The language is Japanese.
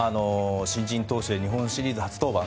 新人投手で日本シリーズ初登板。